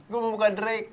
gue mau buka drake